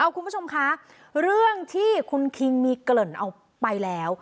คุณผู้ชมคะเรื่องที่คุณคิงมีเกริ่นเอาไปแล้ว